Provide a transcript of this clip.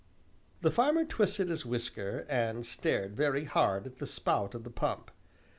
The farmer twisted his whisker, and stared very hard at the spout of the pump.